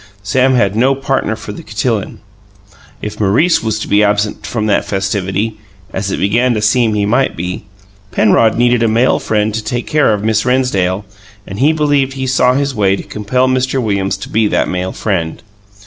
Sam had no partner for the cotillon. If Maurice was to be absent from that festivity as it began to seem he might be Penrod needed a male friend to take care of Miss Rennsdale and he believed he saw his way to compel Mr. Williams to be that male friend.